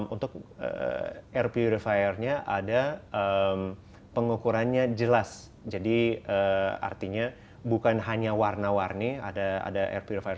untuk air purifiernya ada pengukurannya jelas jadi artinya bukan hanya warna warni ada air purifier